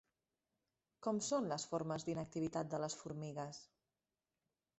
Com són les formes d'inactivitat de les formigues?